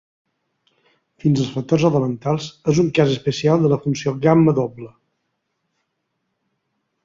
Fins als factors elementals, és un cas especial de la funció gamma doble.